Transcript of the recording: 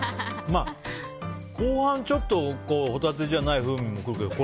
後半ちょっとホタテじゃない風味も来るけど。